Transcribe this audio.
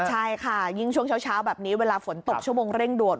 ใช่ค่ะยิ่งช่วงเช้าแบบนี้เวลาฝนตกชั่วโมงเร่งด่วน